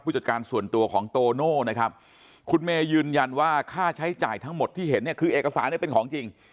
จัดการส่วนตัวของโตโน่นะครับคุณเมย์ยืนยันว่าค่าใช้จ่ายทั้งหมดที่เห็นเนี่ยคือเอกสารเนี่ยเป็นของจริง